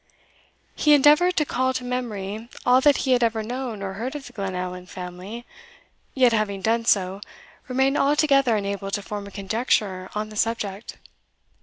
He endeavoured to call to memory all that he had ever known or heard of the Glenallan family, yet, having done so, remained altogether unable to form a conjecture on the subject.